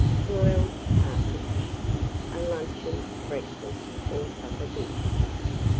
BROILED PARTRIDGE (a Luncheon, Breakfast, or Supper Dish).